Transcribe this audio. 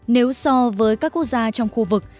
nếu so với các quốc gia trong khu vực